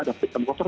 ada sistem koper